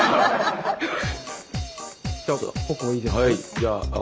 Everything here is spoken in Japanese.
じゃあ。